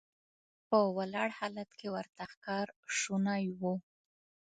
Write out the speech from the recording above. په ولاړ حالت کې ورته ښکار شونی و.